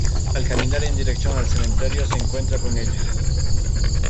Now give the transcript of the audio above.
Al caminar en dirección al cementerio se encuentra con ella.